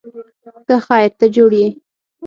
ښه خیر، ته جوړ یې؟